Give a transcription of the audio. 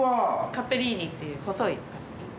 カッペリーニっていう細いパスタです。